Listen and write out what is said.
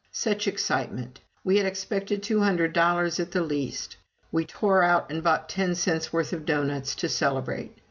Such excitement! We had expected two hundred dollars at the least! We tore out and bought ten cents' worth of doughnuts, to celebrate.